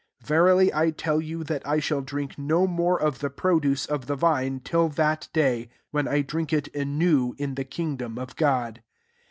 25 Verily I tell you, that I shall drink no more of '^e produce of die Tine, till diat day, when I dffiak it anew in the kingdom of God.'